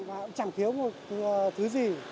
và chẳng thiếu một thứ gì